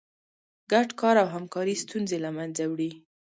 ګډ کار او همکاري ستونزې له منځه وړي.